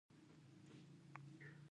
د غني خیل مارکیټ لري